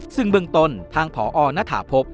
ซึ่งเบื้องต้นทางพอณฐาพบ